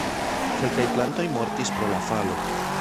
Kelkaj plantoj mortis pro la falo.